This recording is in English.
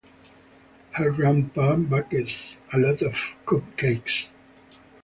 Her grandpa bakes a lot of cupcakes.